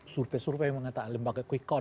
suruh suruh yang mengatakan lembaga quick count